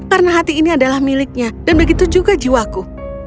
karena hati ini adalah miliknya dan begitu juga jiwaku